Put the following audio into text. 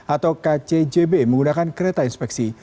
atau kcjb menggunakan kereta inspeksi